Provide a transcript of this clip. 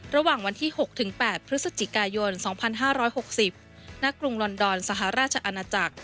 ระหว่างวันที่๖๘พฤศจิกายน๒๕๖๐ณกรุงลอนดอนสหราชอาณาจักร